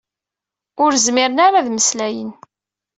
Ur zmiren ara ad mmeslayen.